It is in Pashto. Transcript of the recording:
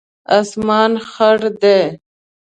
اسمان خړ دی